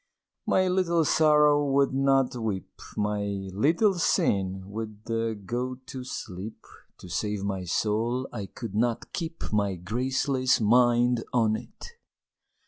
My Little Sorrow would not weep, My Little Sin would go to sleep To save my soul I could not keep My graceless mind on it!